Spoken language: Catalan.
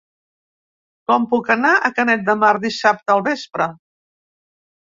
Com puc anar a Canet de Mar dissabte al vespre?